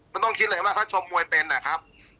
มันต้องคิดเลยว่าเขาชมมวยเป็นนะครับ